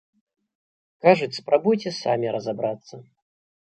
Кажуць, спрабуйце самі разабрацца.